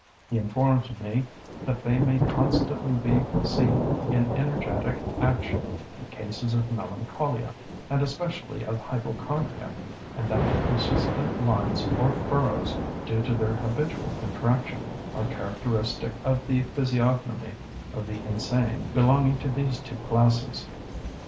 He informs me that they may constantly be seen in energetic action in cases of melancholia, and especially of hypochondria; and that the persistent lines or furrows, due to their habitual contraction, are characteristic of the physiognomy of the insane belonging to these two classes.